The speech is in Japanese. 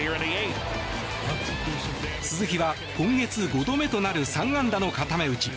鈴木は今月５度目となる３安打の固め打ち。